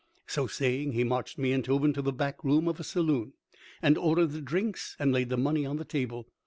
So saying, he marched me and Tobin to the back room of a saloon, and ordered the drinks, and laid the money on the table.